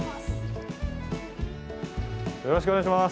よろしくお願いします。